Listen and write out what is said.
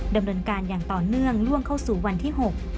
ดำเนินการอย่างต่อเนื่องล่วงเข้าสู่วันที่๖